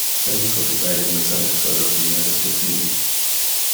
"Semmes" was a guided missile destroyer of the United States Navy.